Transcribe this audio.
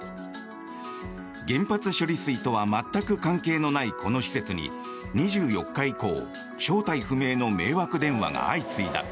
原発処理水とは全く関係のないこの施設に２４日以降正体不明の迷惑電話が相次いだ。